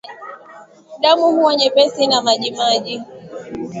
Damu huwa nyepesi na majimaji